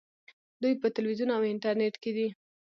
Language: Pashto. دوی په تلویزیون او انټرنیټ کې دي.